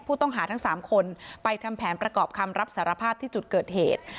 ผู้ต้องหาทั้ง๓คนไปทำแผนประกอบคำรับสารภาพที่จุดเกิดเหตุ